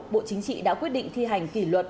bộ chính trị đã quyết định thi hành kỷ luật